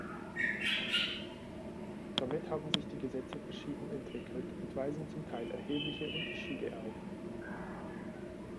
Damit haben sich die Gesetze verschieden entwickelt und weisen zum Teil erhebliche Unterschiede auf.